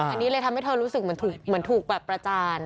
อันนี้เลยทำให้เธอรู้สึกเหมือนถูกแบบประจาน